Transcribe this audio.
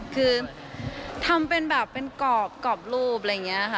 คือทำเป็นแบบเป็นกรอบรูปอะไรอย่างนี้ค่ะ